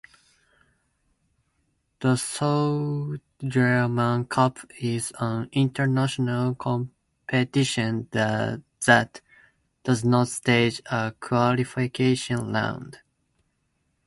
The Sudirman Cup is an international competition that does not stage a qualification round.